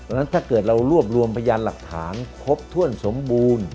เพราะฉะนั้นถ้าเกิดเรารวบรวมพยานหลักฐานครบถ้วนสมบูรณ์